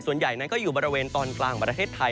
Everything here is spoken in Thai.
ส่วนใหญ่นั้นก็อยู่บริเวณตอนกลางของประเทศไทย